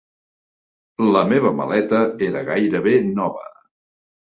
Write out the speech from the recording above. La meva maleta era gairebé nova.